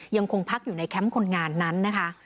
ยังคงพักอยู่ในแคมป์คนงานนั้นนะคะ